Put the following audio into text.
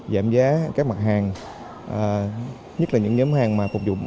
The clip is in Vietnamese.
giảm giá các mặt hàng nhất là những nhóm hàng mà phục dụng